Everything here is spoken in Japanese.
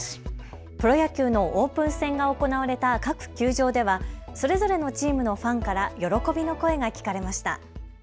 プロ野球のオープン戦が行われた各球場ではそれぞれのチームのファンから喜びの声が聞かれました。